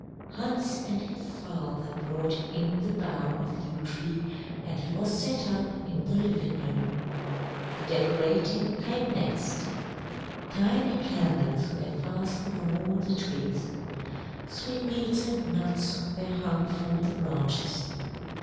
Hans and his father brought in the bough of a yew tree, and it was set up in the living room. The decorating came next. Tiny candles were fastened on all the twigs. Sweetmeats and nuts were hung from the branches.